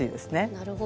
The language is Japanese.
なるほど。